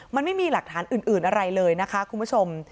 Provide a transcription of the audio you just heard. มันไม่มีหลักฐานอื่นอะไรเลยนะคะคุณผู้ชม